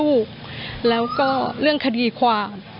ลูกชายวัย๑๘ขวบบวชหน้าไฟให้กับพุ่งชนจนเสียชีวิตแล้วนะครับ